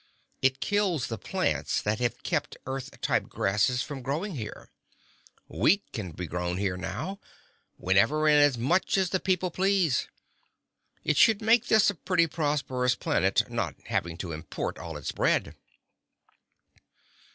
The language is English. It kills the plants that have kept Earth type grasses from growing here. Wheat can be grown here now, whenever and as much as the people please. It should make this a pretty prosperous planet, not having to import all its bread."